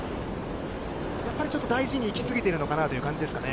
やっぱりちょっと、大事にいき過ぎているのかなっていう感じですかね。